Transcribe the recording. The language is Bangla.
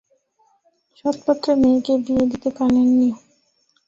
সৎপাত্রে মেয়েকে বিয়ে দিতে পারেন নি।